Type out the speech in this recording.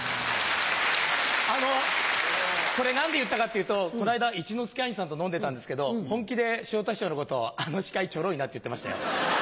あのこれ何で言ったかっていうとこの間一之輔兄さんと飲んでたんですけど本気で昇太師匠のことを「あの司会ちょろいな」って言ってましたよ。